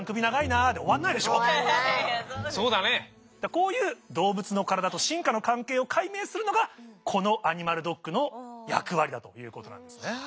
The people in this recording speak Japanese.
こういう動物の体と進化の関係を解明するのがこの「アニマルドック」の役割だということなんですね。